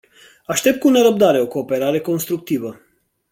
Aștept cu nerăbdare o cooperare constructivă.